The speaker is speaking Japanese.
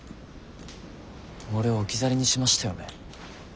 俺を置き去りにしましたよね？